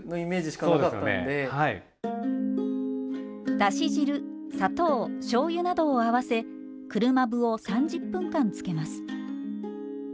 だし汁砂糖しょうゆなどを合わせ車麩を３０分間つけます。